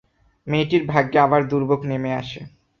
মেয়েটির ভাগ্যে আবার দুর্ভোগ নেমে আসে।